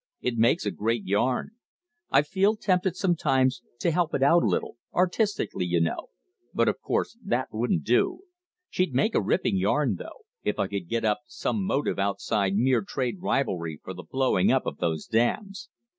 It makes a great yarn. I feel tempted sometimes to help it out a little artistically, you know but of course that wouldn't do. She'd make a ripping yarn, though, if I could get up some motive outside mere trade rivalry for the blowing up of those dams.